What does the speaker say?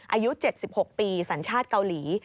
อายุ๗๖ปีสัญชาติเกาหลี